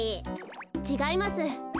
ちがいます。